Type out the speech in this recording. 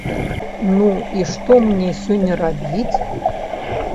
Ну, і што мне сёння рабіць?